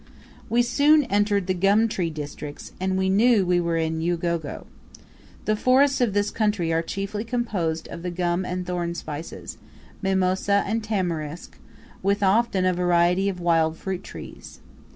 We soon entered the gum tree districts, and we knew we were in Ugogo. The forests of this country are chiefly composed of the gum and thorn species mimosa and tamarisk, with often a variety of wild fruit trees.